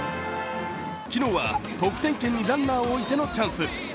昨日は得点圏にランナーを置いてのチャンス。